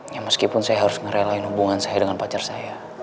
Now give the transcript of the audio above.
ya meskipun saya harus ngerelain hubungan saya dengan pacar saya